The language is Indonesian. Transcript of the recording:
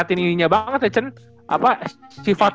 tapi dia udah sempet singgung juga sih